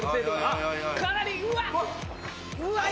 あっかなりうわっ！